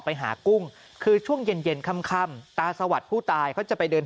หากุ้งคือช่วงเย็นเย็นค่ำตาสวัสดิ์ผู้ตายเขาจะไปเดิน